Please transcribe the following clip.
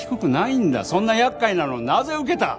そんな厄介なのをなぜ受けた！？